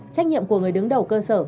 trách nhiệm của người đứng đầu cơ sở